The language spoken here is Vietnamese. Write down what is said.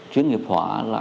chuyên nghiệp họa là